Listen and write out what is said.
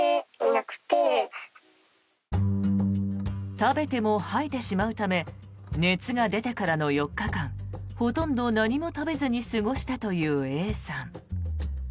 食べても吐いてしまうため熱が出てからの４日間ほとんど何も食べずに過ごしたというＡさん。